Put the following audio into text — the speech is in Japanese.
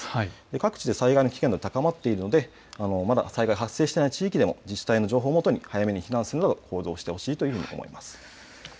各地で災害の危険度、高まっているのでまだ災害が発生していない地域でも自治体の情報をもとに早めに避難行動をしてほしいと思います。